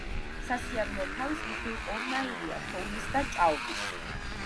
სასიარულო თავის მხრივ ორნაირია თოვლის და ჭაობის.